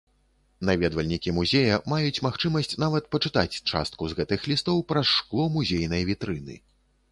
Наведвальнікі музея маюць магчымасць нават пачытаць частку з гэтых лістоў праз шкло музейнай вітрыны.